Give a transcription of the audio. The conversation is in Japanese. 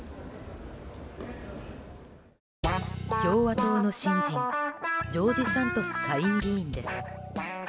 共和党の新人ジョージ・サントス下院議員です。